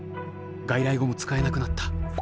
外来語も使えなくなった。